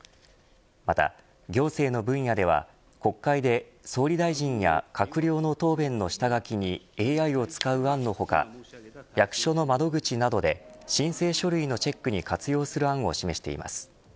また行政の分野では国会で総理大臣や閣僚の答弁の下書きにＡＩを使う案の他役所の窓口などで申請書類のチェックに活用する案を示しています。